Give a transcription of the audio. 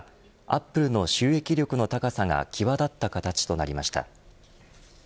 アップルの収益力の高さが際立った形となりました。